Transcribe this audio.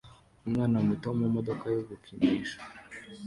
Umwana muto mumodoka yo gukinisha